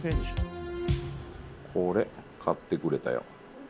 「これ買ってくれたよ！」。